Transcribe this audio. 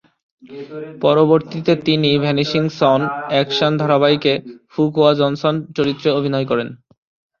পরবর্তীতে তিনি "ভ্যানিশিং সন" অ্যাকশন ধারাবাহিকে ফু কোয়া জনসন চরিত্রে অভিনয় করেন।